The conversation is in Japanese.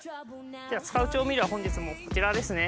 使う調味料は本日こちらですね。